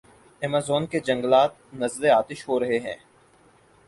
Amazon کے جنگلات نذرِ آتش ہو رہے ہیں۔